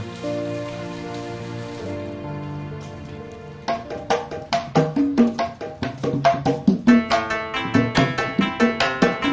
ami tunggu papi